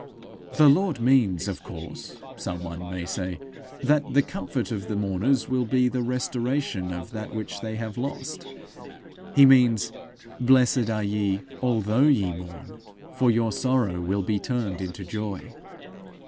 'The Lord means of course,' some one may say, 'that the comfort of the mourners will be the restoration of that which they have lost. He means, "Blessed are ye although ye mourn, for your sorrow will be turned into joy."'